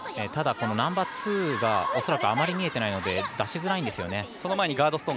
ただ、ナンバーツーが恐らくあまり見えていないので出しづらいんですよね。